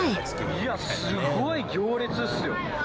いや、すごい行列ですよ。